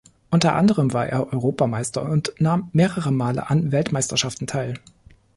Unter anderem war er Europameister und nahm mehrere Male an Weltmeisterschaften teil.